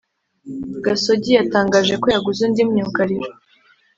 gasogi yatangaje ko yaguze undi myugariro